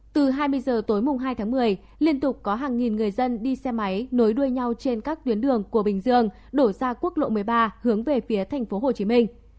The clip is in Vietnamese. từ hai mươi giờ tối hai tháng một mươi liên tục có hàng nghìn người dân đi xe máy nối đuôi nhau trên các tuyến đường của bình dương đổ ra quốc lộ một mươi ba hướng về phía thành phố hồ chí minh